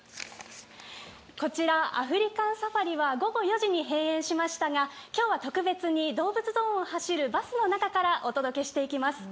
こちら、アフリカンサファリは午後４時に閉園しましたが今日は特別に動物ゾーンを走るバスの中からお届けしていきます。